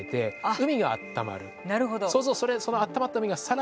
なるほど。